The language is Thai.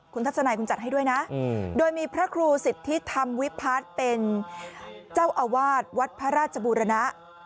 คุณทัศนัยคุณจัดให้ด้วยนะโดยมีพระครูสิทธิธรรมวิพัฒน์เป็นเจ้าอาวาสวัดพระราชบูรณะ